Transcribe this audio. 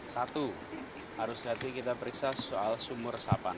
satu harus lagi kita periksa soal sumur resapan